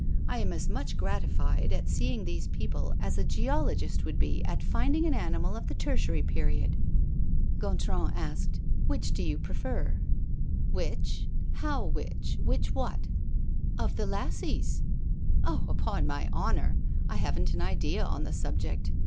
I am as much gratified at seeing these people as a geologist would be at finding an animal of the tertiary period." Gontran asked: "Which do you prefer?" "Which? How, which? Which what?" "Of the lassies?" "Oh! upon my honor, I haven't an idea on the subject.